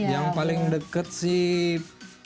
yang paling deket sih